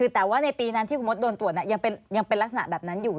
แต่ว่าในปีนั้นที่คุณมดโดนตรวจยังเป็นลักษณะแบบนั้นอยู่